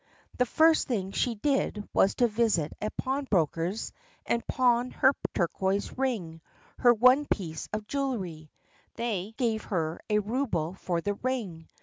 The first thing she did was to visit a pawn broker's and pawn her turquoise ring, her one piece of jewellery. They gave her a rouble for the ring